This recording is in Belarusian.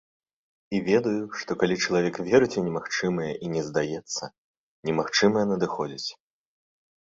І ведаю, што калі чалавек верыць у немагчымае і не здаецца, немагчымае надыходзіць.